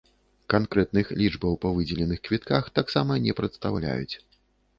Канкрэтных лічбаў па выдзеленых квітках таксама не прадастаўляюць.